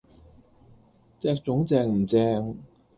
隻糉正唔正